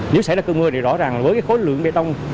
nếu xảy ra cơn mưa thì rõ ràng với khối lượng bê tông